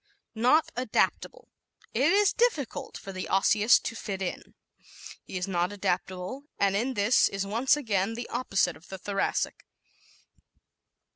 Not Adaptable ¶ It is difficult for the Osseous to "fit in." He is not adaptable and in this is once again the opposite of the Thoracic.